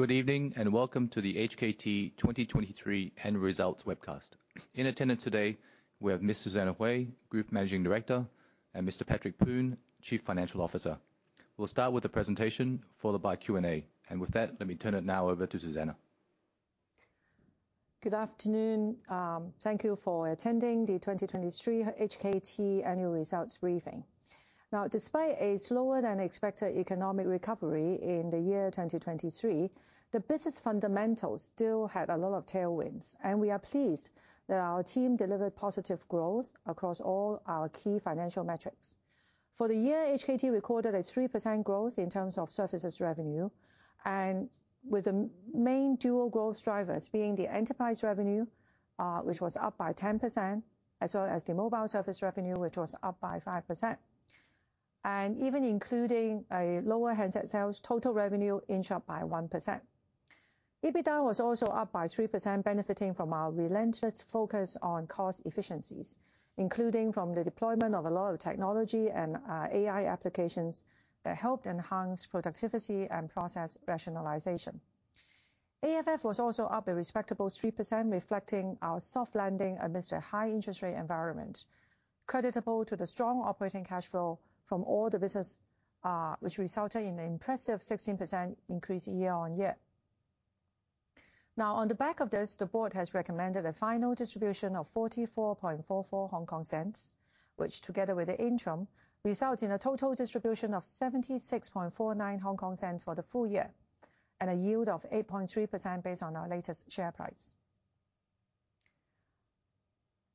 Good evening, and welcome to the HKT 2023 end results webcast. In attendance today, we have Ms. Susanna Hui, Group Managing Director, and Mr. Patrick Poon, Chief Financial Officer. We'll start with the presentation, followed by Q&A. With that, let me turn it now over to Susanna. Good afternoon. Thank you for attending the 2023 HKT annual results briefing. Now, despite a slower-than-expected economic recovery in the year 2023, the business fundamentals still had a lot of tailwinds, and we are pleased that our team delivered positive growth across all our key financial metrics. For the year, HKT recorded a 3% growth in terms of services revenue, and with the main dual growth drivers being the enterprise revenue, which was up by 10%, as well as the mobile service revenue, which was up by 5%. Even including a lower handset sales, total revenue inched up by 1%. EBITDA was also up by 3%, benefiting from our relentless focus on cost efficiencies, including from the deployment of a lot of technology and AI applications that helped enhance productivity and process rationalization. AFF was also up a respectable 3%, reflecting our soft landing amidst a high interest rate environment, creditable to the strong operating cashflow from all the business, which resulted in an impressive 16% increase year-on-year. Now, on the back of this, the board has recommended a final distribution of 0.4444, which, together with the interim, results in a total distribution of 0.7649 for the full year, and a yield of 8.3% based on our latest share price.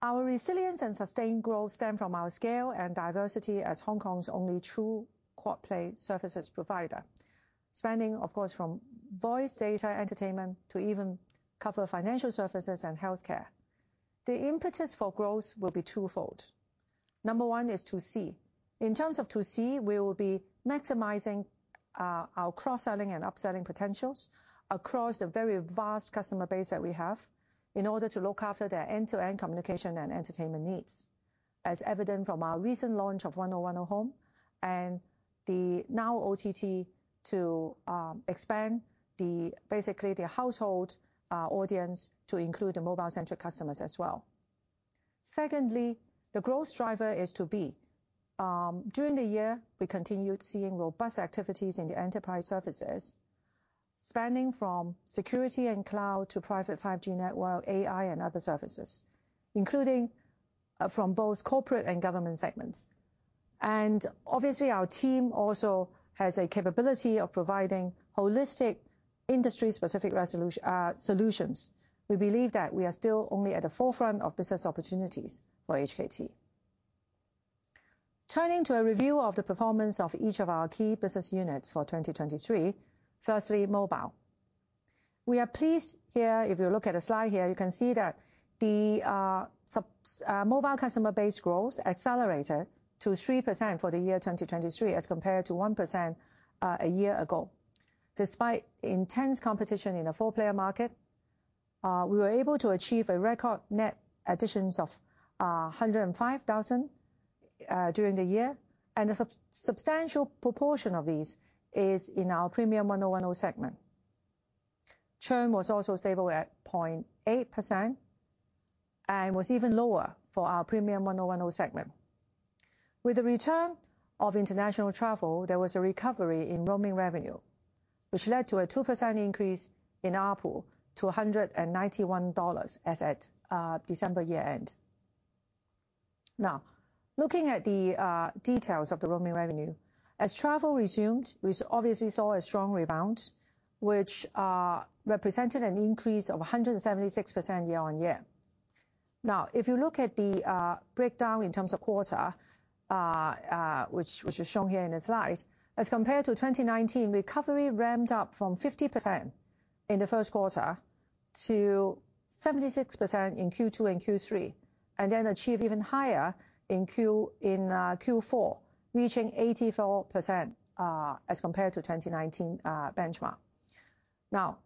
Our resilience and sustained growth stem from our scale and diversity as Hong Kong's only true quad-play services provider, spanning, of course, from voice, data, entertainment, to even cover financial services and healthcare. The impetus for growth will be twofold. Number 1 is To C. In terms of To C, we will be maximizing our cross-selling and upselling potentials across the very vast customer base that we have in order to look after their end-to-end communication and entertainment needs, as evident from our recent launch of 1O1O HOME and the Now OTT to expand the basically, the household audience to include the mobile-centric customers as well. Secondly, the growth driver is To B. During the year, we continued seeing robust activities in the enterprise services, spanning from security and cloud to private 5G network, AI, and other services, including from both corporate and government segments. And obviously, our team also has a capability of providing holistic, industry-specific solutions. We believe that we are still only at the forefront of business opportunities for HKT. Turning to a review of the performance of each of our key business units for 2023, firstly, mobile. We are pleased here; if you look at the slide here, you can see that the subs mobile customer base growth accelerated to 3% for the year 2023, as compared to 1% a year ago. Despite intense competition in the four-player market, we were able to achieve a record net additions of 105,000 during the year, and a substantial proportion of these is in our premium 1O1O segment. Churn was also stable at 0.8% and was even lower for our premium 1O1O segment. With the return of international travel, there was a recovery in roaming revenue, which led to a 2% increase in ARPU to 191 dollars as at December year-end. Now, looking at the details of the roaming revenue, as travel resumed, we obviously saw a strong rebound, which represented an increase of 176% year-on-year. Now, if you look at the breakdown in terms of quarter, which is shown here in the slide, as compared to 2019, recovery ramped up from 50% in the first quarter to 76% in Q2 and Q3, and then achieved even higher in Q4, reaching 84%, as compared to 2019 benchmark. Now,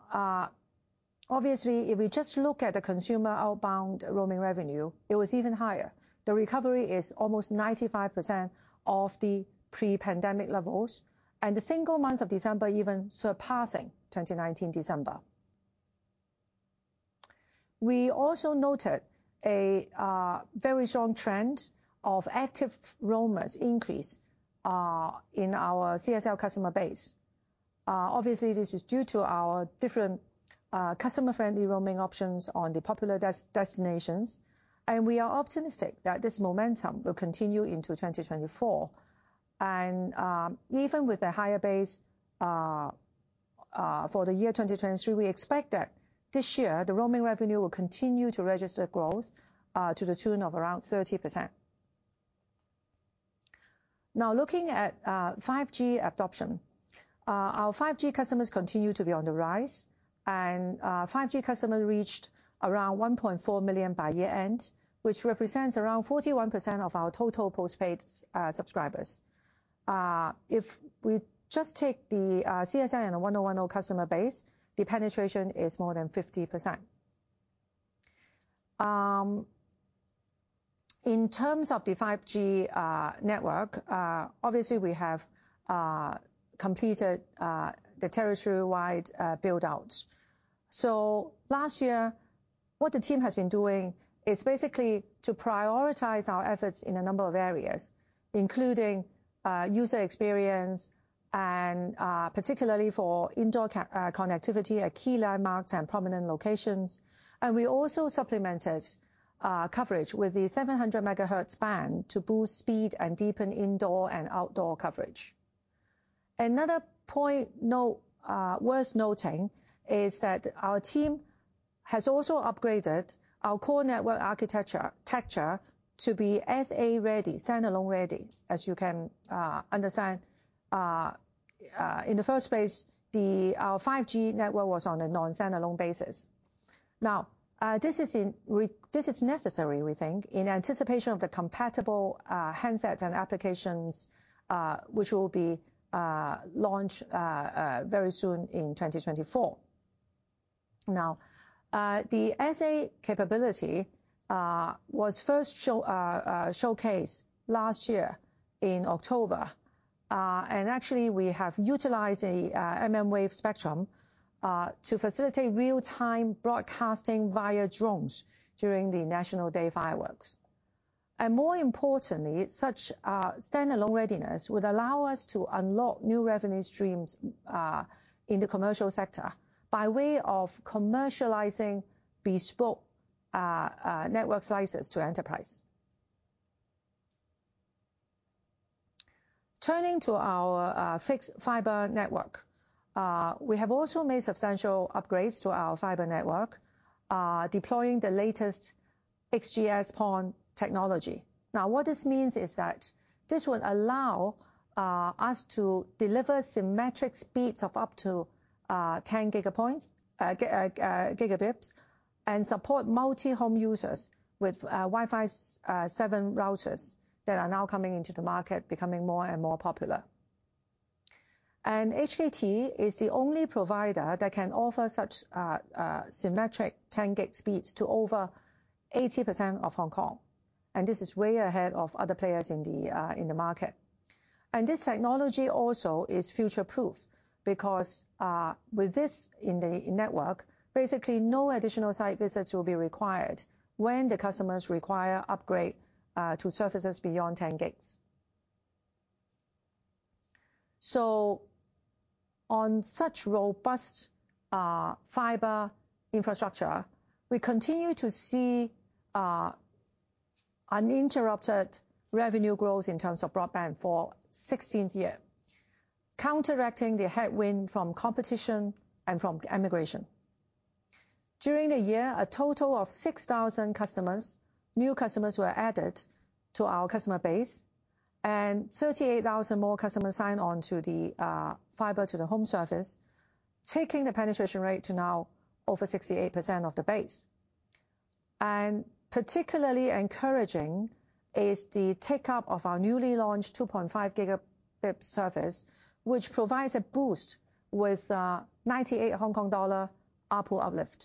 obviously, if we just look at the consumer outbound roaming revenue, it was even higher. The recovery is almost 95% of the pre-pandemic levels, and the single month of December even surpassing 2019 December. We also noted a very strong trend of active roamers increase in our CSL customer base. Obviously, this is due to our different customer-friendly roaming options on the popular destinations, and we are optimistic that this momentum will continue into 2024. Even with a higher base for the year 2023, we expect that this year, the roaming revenue will continue to register growth to the tune of around 30%. Now, looking at 5G adoption. Our 5G customers continue to be on the rise, and 5G customer reached around 1.4 million by year-end, which represents around 41% of our total postpaid subscribers. If we just take the CSL and the 1O1O customer base, the penetration is more than 50%. In terms of the 5G network, obviously we have completed the territory-wide build-out. So last year, what the team has been doing is basically to prioritize our efforts in a number of areas, including user experience and particularly for indoor connectivity at key landmarks and prominent locations. And we also supplemented coverage with the 700 megahertz band to boost speed and deepen indoor and outdoor coverage. Another point worth noting is that our team has also upgraded our core network architecture to be SA ready, standalone ready, as you can understand. In the first place, our 5G network was on a non-standalone basis. Now, this is necessary, we think, in anticipation of the compatible handsets and applications, which will be launched very soon in 2024. Now, the SA capability was first showcased last year in October. And actually we have utilized a mmWave spectrum to facilitate real-time broadcasting via drones during the National Day fireworks. And more importantly, such standalone readiness would allow us to unlock new revenue streams in the commercial sector by way of commercializing bespoke network slices to enterprise. Turning to our fixed fiber network, we have also made substantial upgrades to our fiber network, deploying the latest XGS-PON technology. Now, what this means is that this will allow us to deliver symmetric speeds of up to 10 gigabits and support multi-home users with Wi-Fi 7 routers that are now coming into the market, becoming more and more popular. HKT is the only provider that can offer such symmetric 10 gig speeds to over 80% of Hong Kong, and this is way ahead of other players in the market. This technology also is future-proof because with this in the network, basically no additional site visits will be required when the customers require upgrade to services beyond 10 gigs. On such robust fiber infrastructure, we continue to see uninterrupted revenue growth in terms of broadband for 16th year, counteracting the headwind from competition and from emigration. During the year, a total of 6,000 customers, new customers, were added to our customer base, and 38,000 more customers signed on to the fiber to the home service, taking the penetration rate to now over 68% of the base. Particularly encouraging is the take-up of our newly launched 2.5 gigabit service, which provides a boost with 98 Hong Kong dollar ARPU uplift.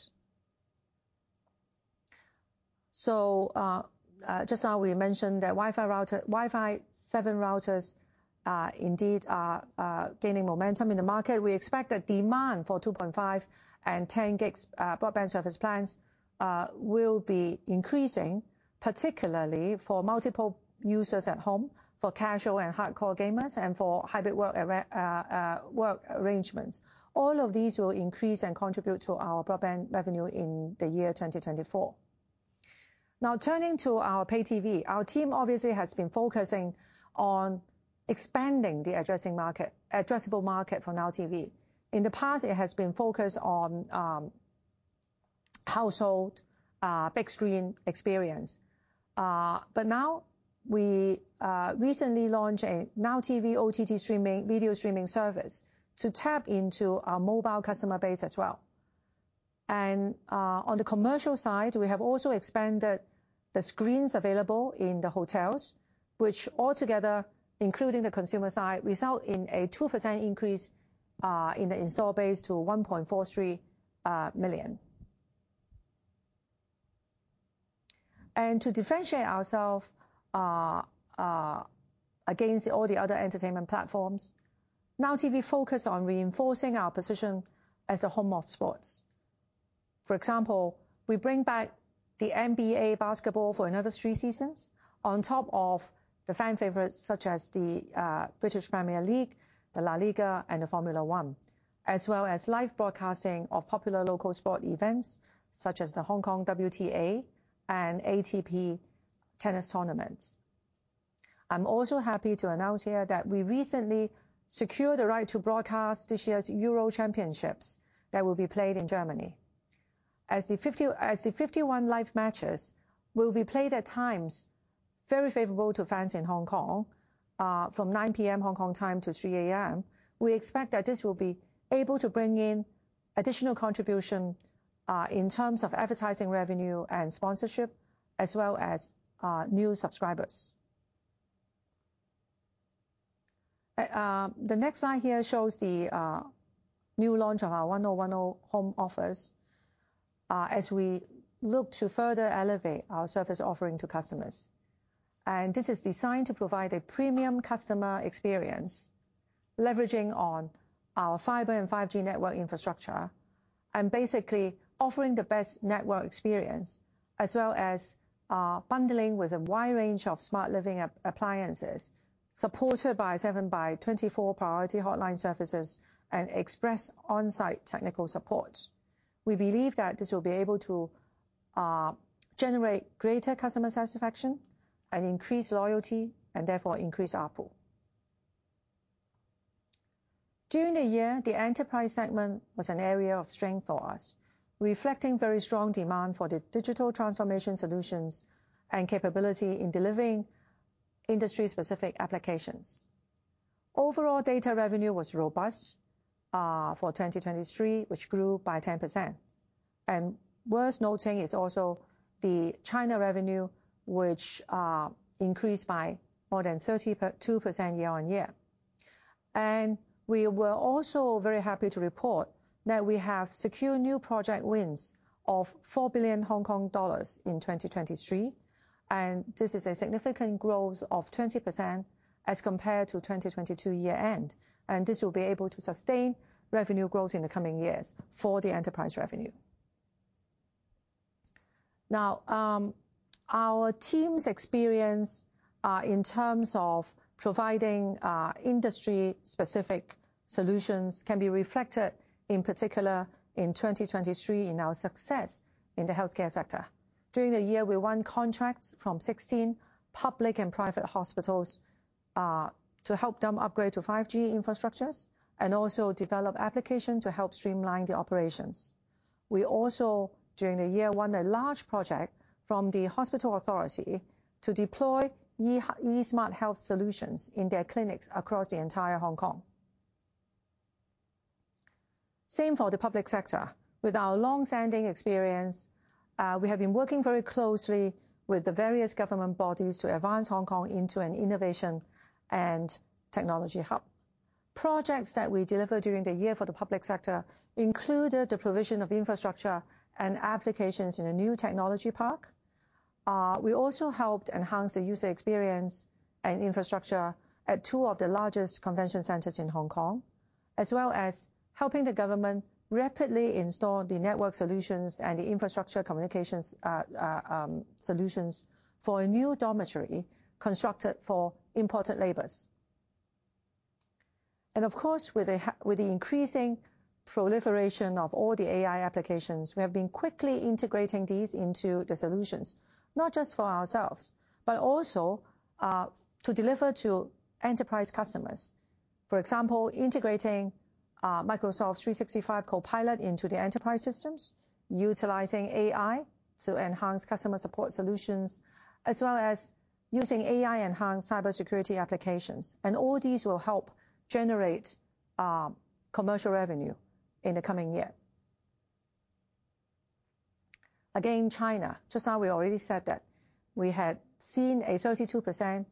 Just now we mentioned that Wi-Fi router, Wi-Fi 7 routers, indeed are gaining momentum in the market. We expect that demand for 2.5 and 10 gigs broadband service plans will be increasing, particularly for multiple users at home, for casual and hardcore gamers, and for hybrid work arrangements. All of these will increase and contribute to our broadband revenue in the year 2024. Now turning to our pay TV. Our team obviously has been focusing on expanding the addressing market, addressable market for Now TV. In the past, it has been focused on household big screen experience. But now we recently launched a Now TV OTT streaming video streaming service to tap into our mobile customer base as well. And on the commercial side, we have also expanded the screens available in the hotels, which altogether, including the consumer side, result in a 2% increase in the install base to 1.43 million. And to differentiate ourselves against all the other entertainment platforms, Now TV focus on reinforcing our position as the home of sports. For example, we bring back the NBA basketball for another three seasons, on top of the fan favorites such as the British Premier League, the LaLiga, and the Formula 1, as well as live broadcasting of popular local sport events such as the Hong Kong WTA and ATP tennis tournaments. I'm also happy to announce here that we recently secured the right to broadcast this year's Euro championships that will be played in Germany. As the 51 live matches will be played at times very favorable to fans in Hong Kong, from 9 P.M. Hong Kong time to 3 A.M., we expect that this will be able to bring in additional contribution, in terms of advertising revenue and sponsorship, as well as new subscribers. The next slide here shows the new launch of our 1O1O HOME Offers, as we look to further elevate our service offering to customers. This is designed to provide a premium customer experience, leveraging on our fiber and 5G network infrastructure, and basically offering the best network experience, as well as bundling with a wide range of smart living appliances, supported by 7-by-24 priority hotline services and express on-site technical support. We believe that this will be able to generate greater customer satisfaction and increase loyalty, and therefore increase ARPU. During the year, the enterprise segment was an area of strength for us, reflecting very strong demand for the digital transformation solutions and capability in delivering industry-specific applications. Overall data revenue was robust for 2023, which grew by 10%. Worth noting is also the China revenue, which increased by more than 32% year-on-year. We were also very happy to report that we have secured new project wins of 4 billion Hong Kong dollars in 2023, and this is a significant growth of 20% as compared to 2022 year-end, and this will be able to sustain revenue growth in the coming years for the enterprise revenue. Now, our team's experience in terms of providing industry-specific solutions can be reflected, in particular, in 2023, in our success in the healthcare sector. During the year, we won contracts from 16 public and private hospitals to help them upgrade to 5G infrastructures and also develop application to help streamline the operations. We also, during the year, won a large project from the Hospital Authority to deploy eSmartHealth solutions in their clinics across the entire Hong Kong. Same for the public sector. With our long-standing experience, we have been working very closely with the various government bodies to advance Hong Kong into an innovation and technology hub. Projects that we delivered during the year for the public sector included the provision of infrastructure and applications in a new technology park. We also helped enhance the user experience and infrastructure at two of the largest convention centers in Hong Kong, as well as helping the government rapidly install the network solutions and the infrastructure communications solutions for a new dormitory constructed for important labors. Of course, with the increasing proliferation of all the AI applications, we have been quickly integrating these into the solutions, not just for ourselves, but also to deliver to enterprise customers. For example, integrating Microsoft 365 Copilot into the enterprise systems, utilizing AI to enhance customer support solutions, as well as using AI-enhanced cybersecurity applications. All these will help generate commercial revenue in the coming year. Again, China. Just now, we already said that we had seen a 32%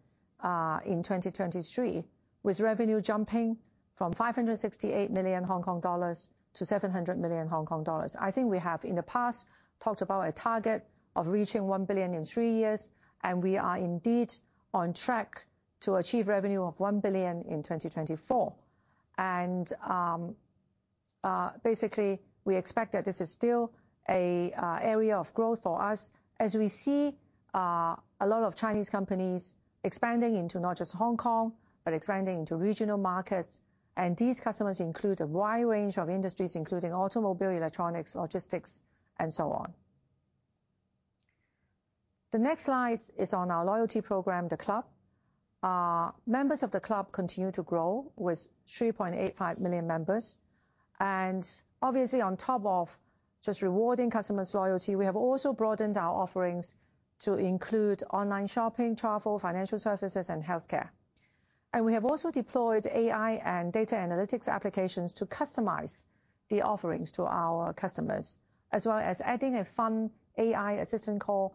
in 2023, with revenue jumping from 568 million Hong Kong dollars to 700 million Hong Kong dollars. I think we have, in the past, talked about a target of reaching 1 billion in three years, and we are indeed on track to achieve revenue of 1 billion in 2024. Basically, we expect that this is still an area of growth for us as we see a lot of Chinese companies expanding into not just Hong Kong, but expanding into regional markets. And these customers include a wide range of industries, including automobile, electronics, logistics, and so on. The next slide is on our loyalty program, The Club. Members of The Club continue to grow with 3.85 million members, and obviously, on top of just rewarding customers' loyalty, we have also broadened our offerings to include online shopping, travel, financial services, and healthcare. And we have also deployed AI and data analytics applications to customize the offerings to our customers, as well as adding a fun AI assistant called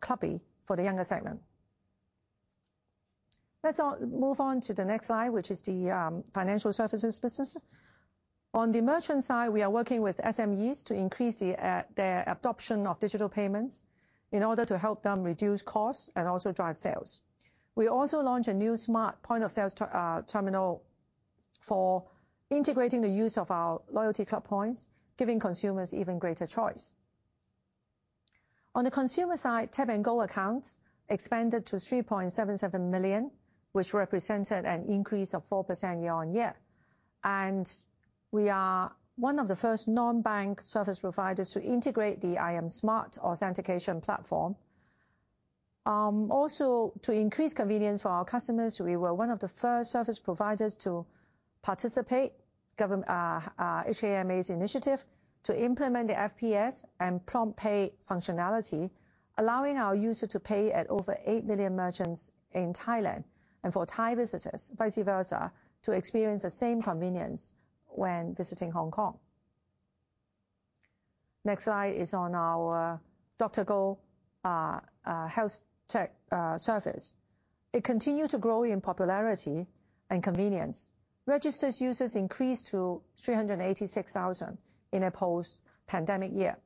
Clubby for the younger segment. Let's move on to the next slide, which is the financial services business. On the merchant side, we are working with SMEs to increase the adoption of digital payments in order to help them reduce costs and also drive sales. We also launched a new smart point-of-sale terminal for integrating the use of our loyalty club points, giving consumers even greater choice. On the consumer side, Tap & Go accounts expanded to 3.77 million, which represented an increase of 4% year-on-year. We are one of the first non-bank service providers to integrate the iAM Smart authentication platform. Also, to increase convenience for our customers, we were one of the first service providers to participate in HKMA's initiative to implement the FPS and PromptPay functionality, allowing our user to pay at over 8 million merchants in Thailand, and for Thai visitors, vice versa, to experience the same convenience when visiting Hong Kong. Next slide is on our DrGo health tech service. It continued to grow in popularity and convenience. Registered users increased to 386,000 in a post-pandemic year.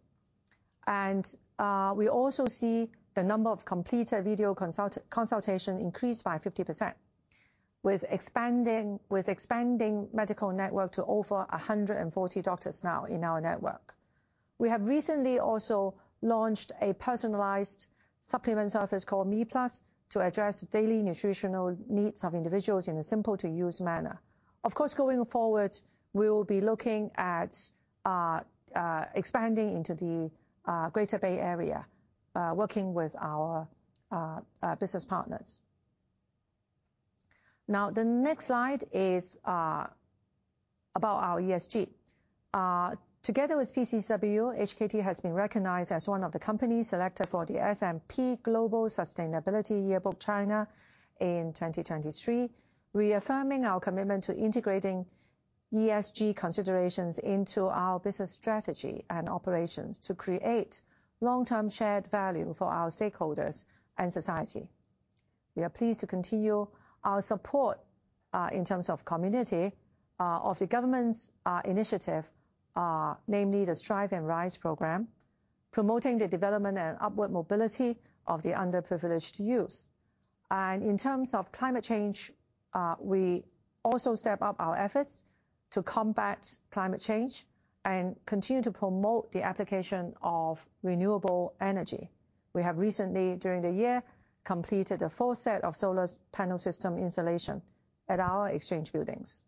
And we also see the number of completed video consultation increased by 50%, with expanding medical network to over 140 doctors now in our network. We have recently also launched a personalized supplement service called Me+, to address daily nutritional needs of individuals in a simple-to-use manner. Of course, going forward, we will be looking at expanding into the Greater Bay Area, working with our business partners. Now, the next slide is about our ESG. Together with PCCW, HKT has been recognized as one of the companies selected for the S&P Global Sustainability Yearbook China in 2023, reaffirming our commitment to integrating ESG considerations into our business strategy and operations to create long-term shared value for our stakeholders and society. We are pleased to continue our support in terms of community of the government's initiative, namely the Strive and Rise program, promoting the development and upward mobility of the underprivileged youth. In terms of climate change, we also step up our efforts to combat climate change and continue to promote the application of renewable energy. We have recently, during the year, completed a full set of solar panel system installation at our exchange buildings.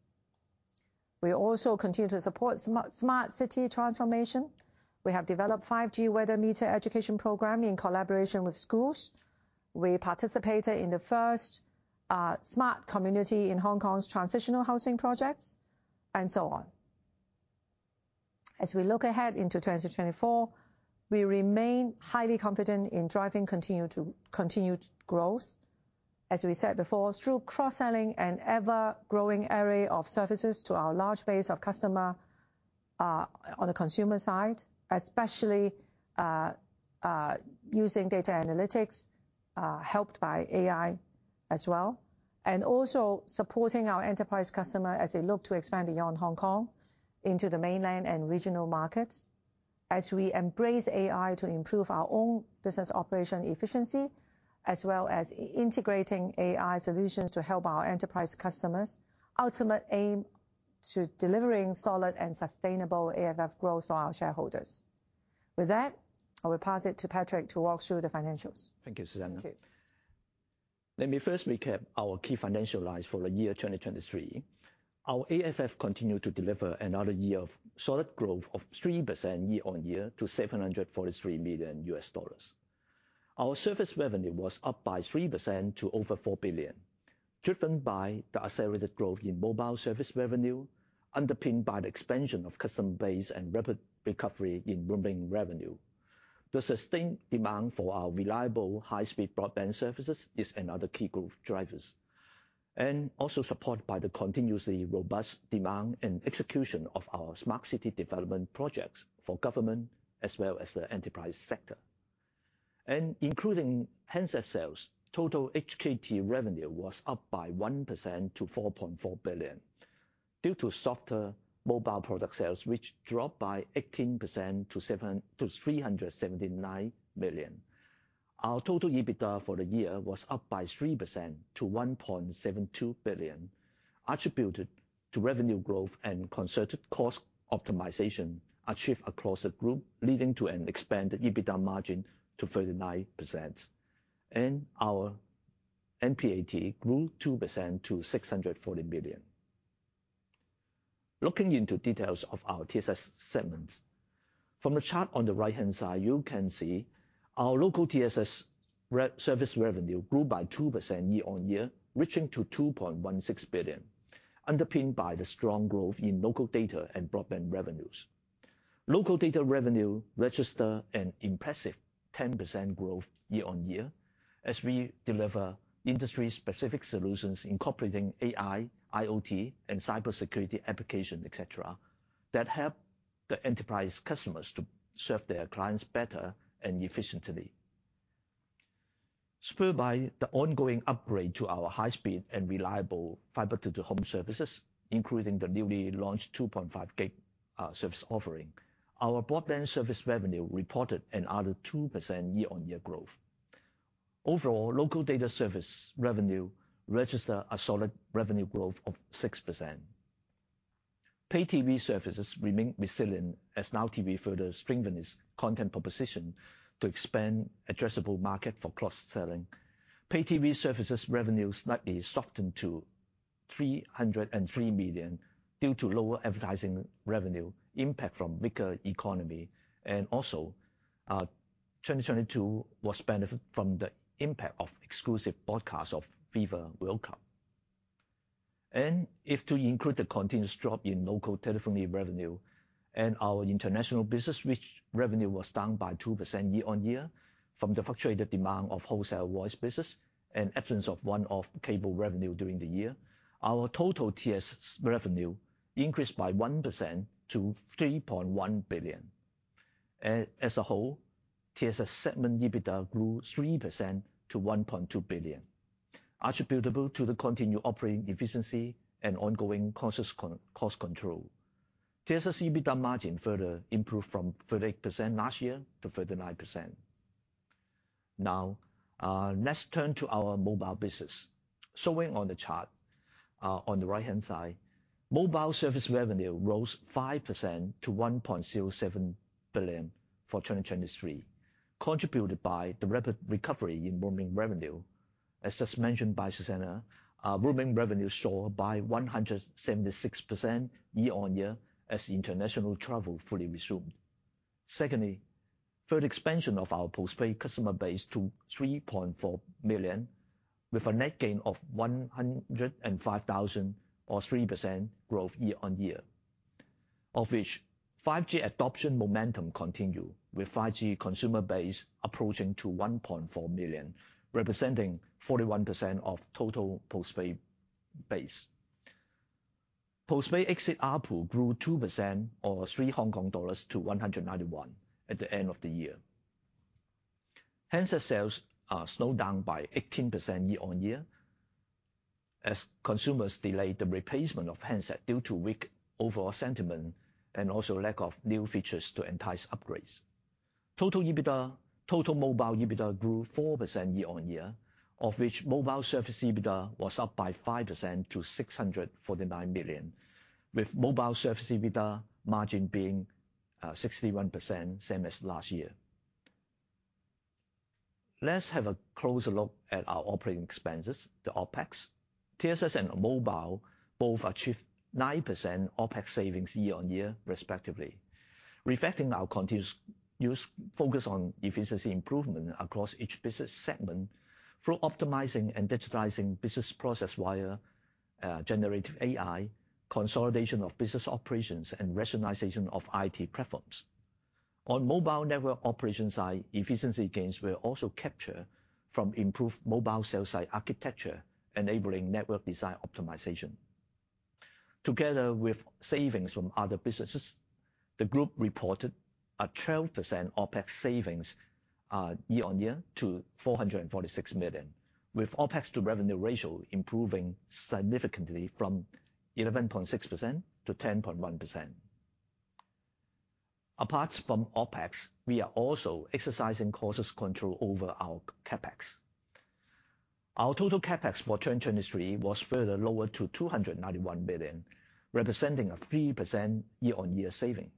We also continue to support smart city transformation. We have developed 5G weather meter education program in collaboration with schools. We participated in the first smart community in Hong Kong's transitional housing projects, and so on. As we look ahead into 2024, we remain highly confident in driving continued growth, as we said before, through cross-selling an ever-growing array of services to our large base of customer, on the consumer side, especially, using data analytics, helped by AI as well. And also supporting our enterprise customer as they look to expand beyond Hong Kong into the mainland and regional markets, as we embrace AI to improve our own business operation efficiency, as well as integrating AI solutions to help our enterprise customers' ultimate aim to delivering solid and sustainable AFF growth for our shareholders. With that, I will pass it to Patrick to walk through the financials. Thank you, Susanna. Thank you. Let me first recap our key financial lines for the year 2023. Our AFF continued to deliver another year of solid growth of 3% year-on-year to $743 million. Our service revenue was up by 3% to over 4 billion, driven by the accelerated growth in mobile service revenue, underpinned by the expansion of customer base and rapid recovery in roaming revenue. The sustained demand for our reliable high-speed broadband services is another key growth drivers, and also supported by the continuously robust demand and execution of our smart city development projects for government as well as the enterprise sector. Including handset sales, total HKT revenue was up by 1% to 4.4 billion due to softer mobile product sales, which dropped by 18% to 379 million. Our total EBITDA for the year was up by 3% to 1.72 billion, attributed to revenue growth and concerted cost optimization achieved across the group, leading to an expanded EBITDA margin to 39%. Our NPAT grew 2% to 640 million. Looking into details of our TSS segments, from the chart on the right-hand side, you can see our local TSS service revenue grew by 2% year-on-year, reaching to 2.16 billion, underpinned by the strong growth in local data and broadband revenues. Local data revenue registered an impressive 10% growth year-on-year as we deliver industry-specific solutions incorporating AI, IoT, and cybersecurity application, et cetera, that help the enterprise customers to serve their clients better and efficiently. Spurred by the ongoing upgrade to our high-speed and reliable fiber to the home services, including the newly launched 2.5G service offering, our broadband service revenue reported another 2% year-on-year growth. Overall, local data service revenue registered a solid revenue growth of 6%. Pay TV services remain resilient as Now TV further strengthened its content proposition to expand addressable market for cross-selling. Pay TV services revenue slightly softened to 303 million due to lower advertising revenue impact from weaker economy, and also, 2022 was benefit from the impact of exclusive broadcast of FIFA World Cup. If we include the continuous drop in local telephony revenue and our international business, whose revenue was down by 2% year on year from the fluctuated demand of wholesale voice business and absence of one-off cable revenue during the year, our total TSS revenue increased by 1% to 3.1 billion. As a whole, TSS segment EBITDA grew 3% to 1.2 billion, attributable to the continued operating efficiency and ongoing conscious cost control. TSS EBITDA margin further improved from 38% last year to 39%. Now, let's turn to our mobile business. Showing on the chart, on the right-hand side, mobile service revenue rose 5% to 1.07 billion for 2023, contributed by the rapid recovery in roaming revenue. As just mentioned by Susanna, roaming revenue saw by 176% year-on-year as international travel fully resumed. Secondly, further expansion of our postpaid customer base to 3.4 million, with a net gain of 105,000, or 3% growth year-on-year, of which 5G adoption momentum continued, with 5G consumer base approaching to 1.4 million, representing 41% of total postpaid base. Postpaid exit ARPU grew 2% or 3 Hong Kong dollars to 191 at the end of the year. Handset sales slowed down by 18% year-on-year, as consumers delayed the replacement of handset due to weak overall sentiment and also lack of new features to entice upgrades. Total EBITDA, total mobile EBITDA grew 4% year-on-year, of which mobile service EBITDA was up by 5% to 649 million, with mobile service EBITDA margin being 61%, same as last year. Let's have a closer look at our operating expenses, the OpEx. TSS and mobile both achieved 9% OpEx savings year-on-year, respectively, reflecting our continuous focus on efficiency improvement across each business segment through optimizing and digitizing business process via generative AI, consolidation of business operations, and rationalization of IT platforms. On mobile network operation side, efficiency gains were also captured from improved mobile cell site architecture, enabling network design optimization. Together with savings from other businesses, the group reported a 12% OpEx savings year-on-year to HKD 446 million, with OpEx-to-revenue ratio improving significantly from 11.6% to 10.1%. Apart from OpEx, we are also exercising cautious control over our CapEx. Our total CapEx for 2023 was further lowered to 291 million, representing a 3% year-on-year saving.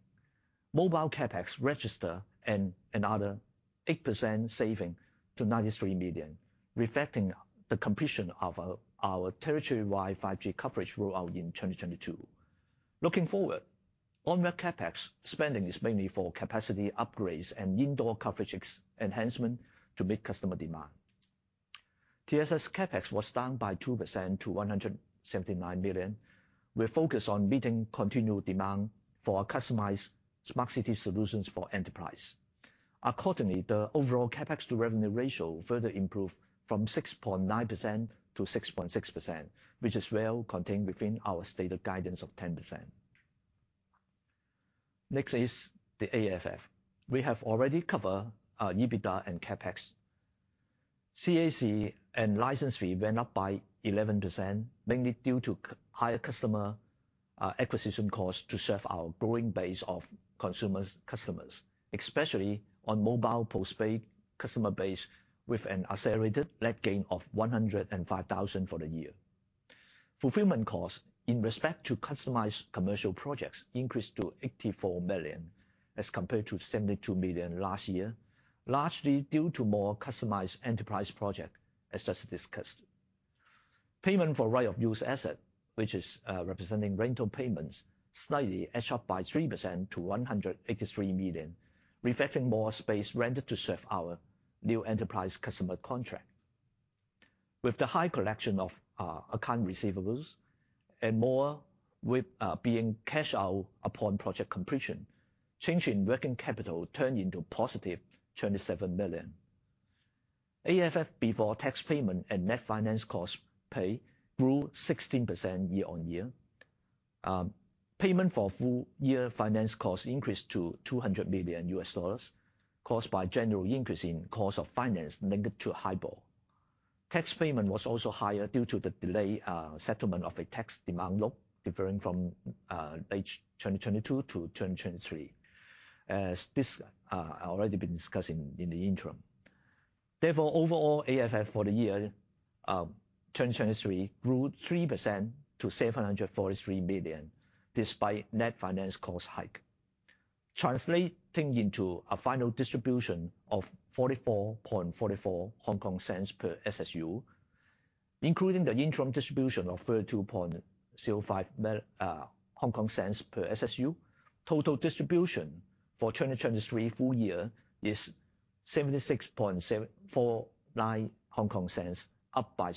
Mobile CapEx registered another 8% saving to 93 million, reflecting the completion of our territory-wide 5G coverage rollout in 2022. Looking forward, onward CapEx spending is mainly for capacity upgrades and indoor coverage enhancement to meet customer demand. TSS CapEx was down by 2% to 179 million. We're focused on meeting continued demand for our customized smart city solutions for enterprise. Accordingly, the overall CapEx-to-revenue ratio further improved from 6.9% to 6.6%, which is well contained within our stated guidance of 10%. Next is the AFF. We have already covered our EBITDA and CapEx. CAC and license fee went up by 11%, mainly due to higher customer acquisition costs to serve our growing base of consumers, customers, especially on mobile postpaid customer base, with an accelerated net gain of 105,000 for the year. Fulfillment costs in respect to customized commercial projects increased to 84 million as compared to 72 million last year, largely due to more customized enterprise project, as just discussed. Payment for right of use asset, which is representing rental payments, slightly edged up by 3% to 183 million, reflecting more space rented to serve our new enterprise customer contract. With the high collection of account receivables and more being cashed out upon project completion, change in working capital turned into a positive 27 million. AFF before tax payment and net finance cost paid grew 16% year-on-year. Payment for full-year finance costs increased to $200 million, caused by general increase in cost of finance linked to HIBOR. Tax payment was also higher due to the delay, settlement of a tax demand note, deferring from 2022 to 2023, as this I already been discussing in the interim. Therefore, overall, AFF for the year 2023 grew 3% to 743 million, despite net finance cost hike. Translating into a final distribution of 0.4444 per SSU, including the interim distribution of 0.3205 per SSU, total distribution for 2023 full year is 0.7649, up by 3% year-on-year. For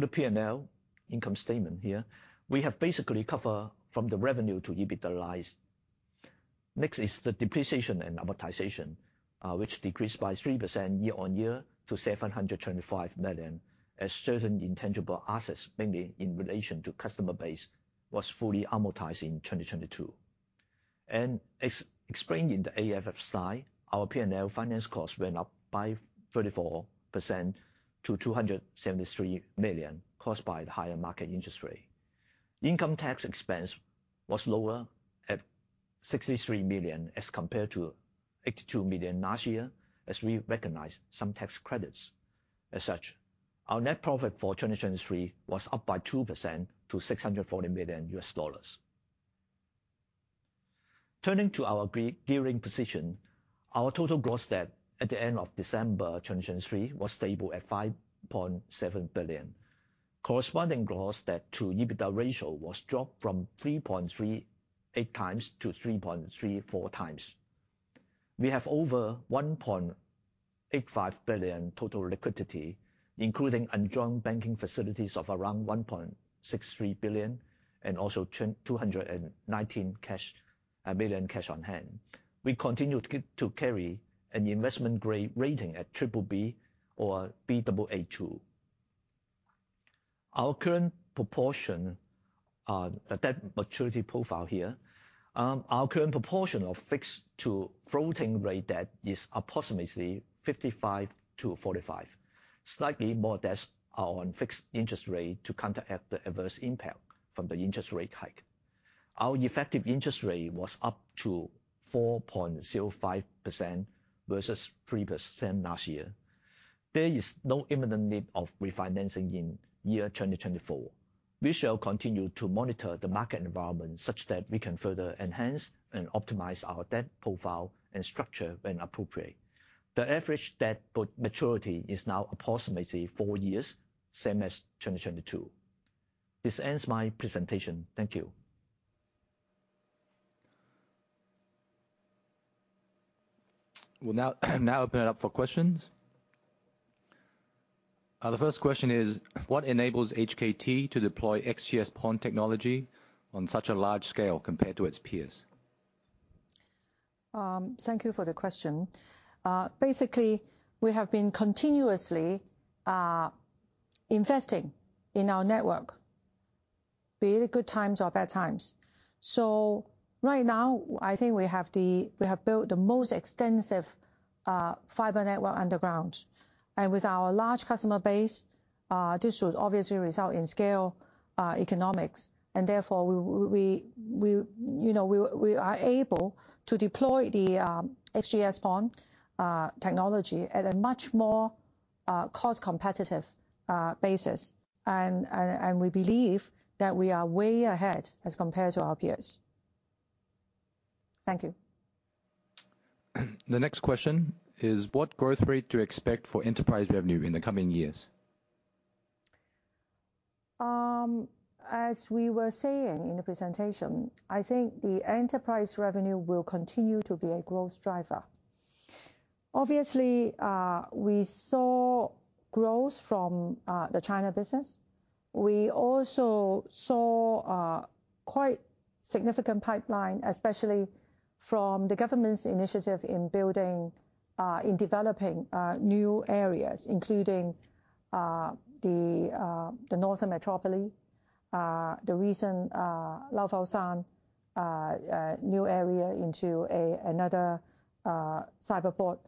the P&L income statement here, we have basically covered from the revenue to EBITDA lies. Next is the depreciation and amortization, which decreased by 3% year-on-year to 725 million, as certain intangible assets, mainly in relation to customer base, was fully amortized in 2022. And explained in the AFF slide, our P&L finance costs went up by 34% to 273 million, caused by the higher market interest rate. Income tax expense was lower at 63 million, as compared to 82 million last year, as we recognized some tax credits. As such, our net profit for 2023 was up by 2% to $640 million. Turning to our gearing position, our total gross debt at the end of December 2023 was stable at 5.7 billion. Corresponding gross debt to EBITDA ratio was dropped from 3.38 times to 3.34 times. We have over 1.85 billion total liquidity, including undrawn banking facilities of around 1.63 billion, and also 219 million cash on hand. We continue to carry an investment grade rating at BBB or Baa2. Our current proportion, the debt maturity profile here, our current proportion of fixed to floating rate debt is approximately 55%-45%. Slightly more debts are on fixed interest rate to counteract the adverse impact from the interest rate hike. Our effective interest rate was up to 4.05% versus 3% last year. There is no imminent need of refinancing in 2024. We shall continue to monitor the market environment such that we can further enhance and optimize our debt profile and structure when appropriate. The average debt maturity is now approximately four years, same as 2022. This ends my presentation. Thank you. We'll now open it up for questions. The first question is: What enables HKT to deploy XGS-PON technology on such a large scale compared to its peers? Thank you for the question. Basically, we have been continuously investing in our network, be it good times or bad times. So right now, I think we have built the most extensive fiber network underground. And with our large customer base, this would obviously result in scale economics, and therefore, you know, we are able to deploy the XGS-PON technology at a much more cost competitive basis. And we believe that we are way ahead as compared to our peers. Thank you. The next question is: What growth rate do you expect for enterprise revenue in the coming years? As we were saying in the presentation, I think the enterprise revenue will continue to be a growth driver. Obviously, we saw growth from the China business. We also saw quite significant pipeline, especially from the government's initiative in building in developing new areas, including the Northern Metropolis, the recent Lau Fau Shan new area into another Cyberport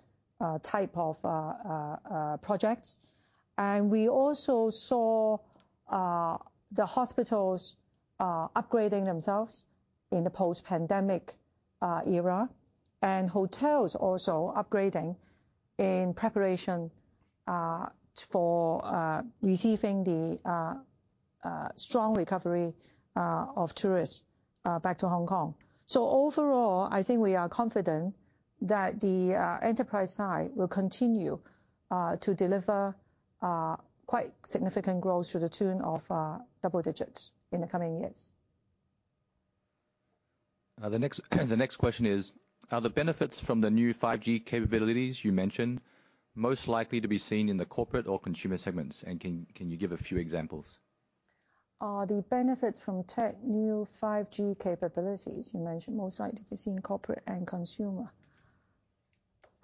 type of projects. And we also saw the hospitals upgrading themselves in the post-pandemic era, and hotels also upgrading in preparation for receiving the strong recovery of tourists back to Hong Kong. So overall, I think we are confident that the enterprise side will continue to deliver quite significant growth to the tune of double digits in the coming years. The next question is: Are the benefits from the new 5G capabilities you mentioned most likely to be seen in the corporate or consumer segments? And can you give a few examples? Are the benefits from the new 5G capabilities you mentioned most likely to be seen in corporate and consumer?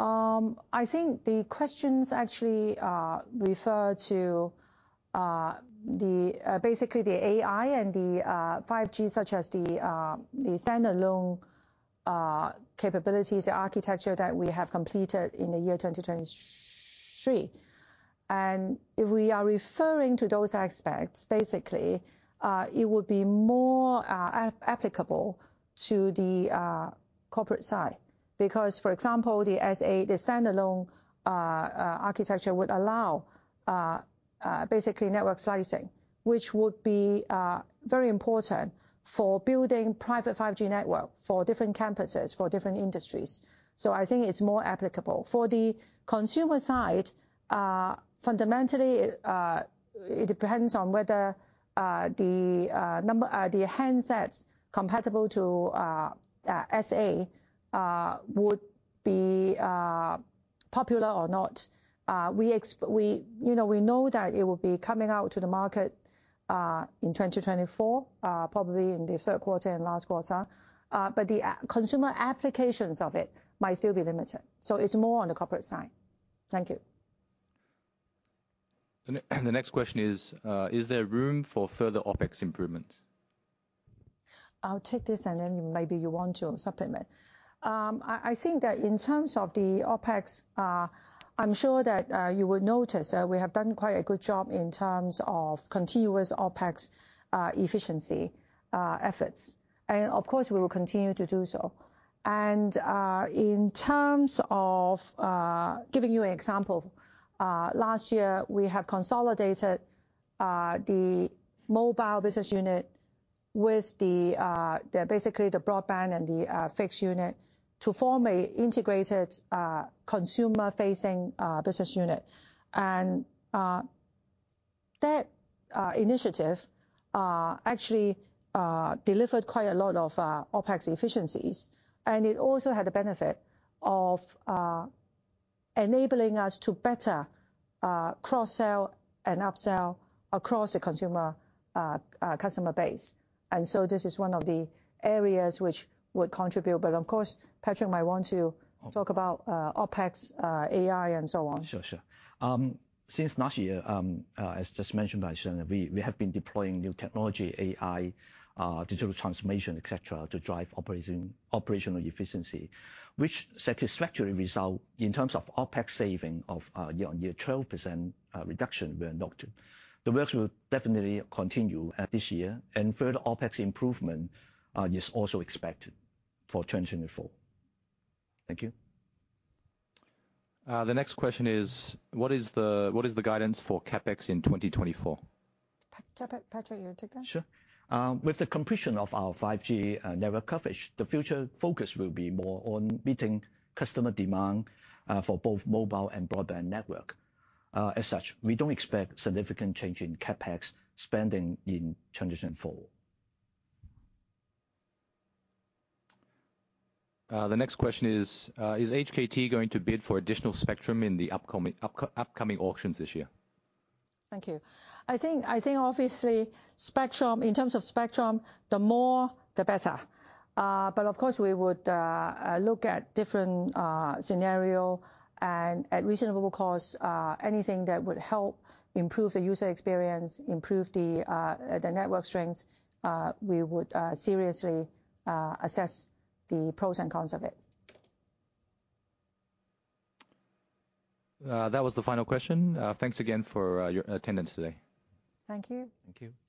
I think the questions actually refer to basically the AI and the 5G, such as the standalone capabilities, the architecture that we have completed in the year 2023. And if we are referring to those aspects, basically, it would be more applicable to the corporate side. Because, for example, the SA, the standalone architecture would allow basically network slicing, which would be very important for building private 5G network for different campuses, for different industries. So I think it's more applicable. For the consumer side, fundamentally, it depends on whether the number the handsets compatible to SA would be popular or not. We, you know, we know that it will be coming out to the market in 2024, probably in the third quarter and last quarter. But the consumer applications of it might still be limited, so it's more on the corporate side. Thank you. The next question is, is there room for further OpEx improvements? I'll take this, and then maybe you want to supplement. I think that in terms of the OpEx, I'm sure that you will notice that we have done quite a good job in terms of continuous OpEx efficiency efforts. And in terms of giving you an example, last year we have consolidated the mobile business unit with basically the broadband and the fixed unit to form an integrated consumer-facing business unit. And that initiative actually delivered quite a lot of OpEx efficiencies, and it also had a benefit of enabling us to better cross-sell and up-sell across the consumer customer base. And so this is one of the areas which would contribute. But of course, Patrick might want to- Okay. talk about OpEx, AI, and so on. Sure, sure. Since last year, as just mentioned by Susanna, we, we have been deploying new technology, AI, digital transformation, et cetera, to drive operating, operational efficiency, which satisfactory result in terms of OpEx saving of, year-on-year 12%, reduction we have looked to. The works will definitely continue, this year, and further OpEx improvement, is also expected for 2024. Thank you. The next question is, what is the guidance for CapEx in 2024? Patrick, you take that? Sure. With the completion of our 5G network coverage, the future focus will be more on meeting customer demand for both mobile and broadband network. As such, we don't expect significant change in CapEx spending in 2024. The next question is, is HKT going to bid for additional spectrum in the upcoming auctions this year? Thank you. I think obviously, in terms of spectrum, the more, the better. But of course, we would look at different scenarios and, at reasonable cost, anything that would help improve the user experience, improve the network strengths. We would seriously assess the pros and cons of it. That was the final question. Thanks again for your attendance today. Thank you. Thank you.